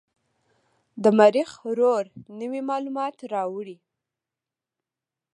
د مریخ روور نوې معلومات راوړي.